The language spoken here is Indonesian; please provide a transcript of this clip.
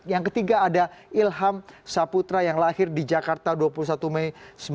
yang ketiga ada ilham saputra yang lahir di jakarta dua puluh satu mei seribu sembilan ratus sembilan puluh